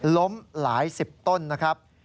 ล้มหลายสิบต้นนะครับ